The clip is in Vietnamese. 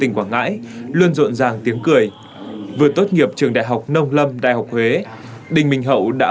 hậu luôn rộn ràng tiếng cười vừa tốt nghiệp trường đại học nông lâm đại học huế đinh minh hậu đã